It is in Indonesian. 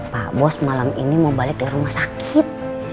pak bos malam ini mau balik di rumah sakit